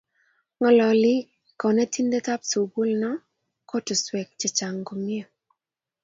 Ng'alali kanetindet ap sukuli no kutuswek chechang' komnye